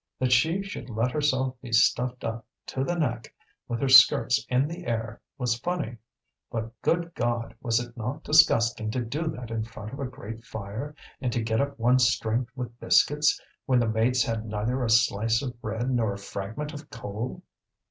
That she should let herself be stuffed up to the neck, with her skirts in the air, was funny. But, good God! was it not disgusting to do that in front of a great fire, and to get up one's strength with biscuits, when the mates had neither a slice of bread nor a fragment of coal?